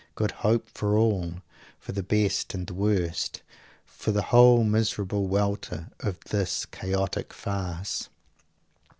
"Good Hope" for all; for the best and the worst for the whole miserable welter of this chaotic farce!